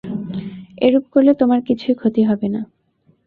এরূপ করলে তোমার কিছুই ক্ষতি হবে না।